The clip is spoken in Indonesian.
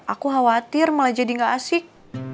aku khawatir malah jadi gak asik